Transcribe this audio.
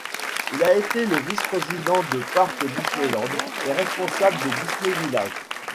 Il a été le vice-président de Parc Disneyland et responsable de Disney Village.